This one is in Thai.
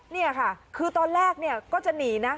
นี่ค่ะคือตอนแรกก็จะหนีนะ